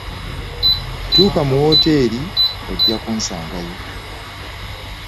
Tuuka mu wooteri ojja kunsangayo.